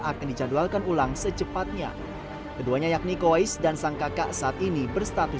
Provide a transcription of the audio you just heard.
akan dijadwalkan ulang secepatnya keduanya yakni kois dan sang kakak saat ini berstatus